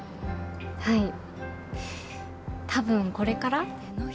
はい、多分これから。